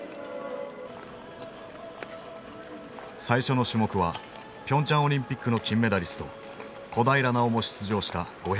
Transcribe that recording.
最初の種目はピョンチャン・オリンピックの金メダリスト小平奈緒も出場した５００ｍ。